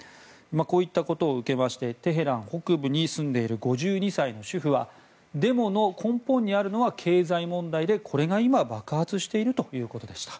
こういったことを受けましてテヘラン北部に住んでいる５２歳の主婦はデモの根本にあるのは経済問題でこれが今、爆発しているということでした。